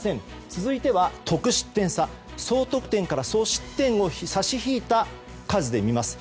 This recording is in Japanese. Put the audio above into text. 続いては、得失点差総得点から総失点を差し引いた数で見ます。